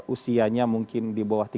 usianya mungkin di bawah tiga puluh lima